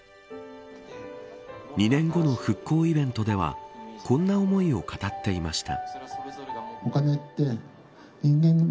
２年後の復興イベントではこんな思いを語っていました。